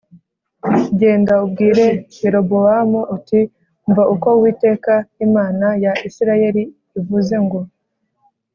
Genda ubwire Yerobowamu uti ‘Umva uko Uwiteka Imana ya Isirayeli ivuze ngo